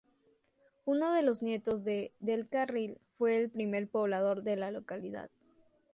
Uno de los nietos de Del Carril fue el primer poblador de la localidad.